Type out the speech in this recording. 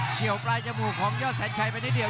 เชี่ยวปลายจมูกของยอสัญญาไปนิดเดียว